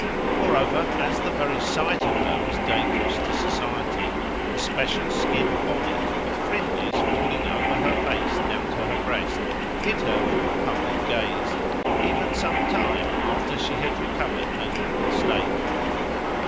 Moreover, as the very sight of her was dangerous to society, a special skin bonnet, with fringes falling over her face down to her breast, hid her from the public gaze, even some time after she had recovered her normal state."